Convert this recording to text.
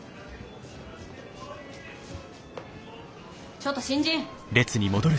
ちょっと新人！